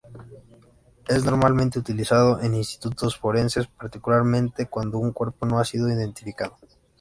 Es normalmente utilizado en institutos forenses, particularmente cuando un cuerpo no ha sido identificado.